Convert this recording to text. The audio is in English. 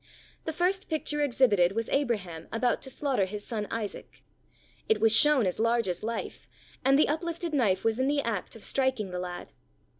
The first picture exhibited was Abraham about to slaughter his son Isaac; it was shown as large as life, and the uplifted knife was in the act of striking the lad.